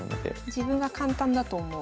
自分が簡単だと思う。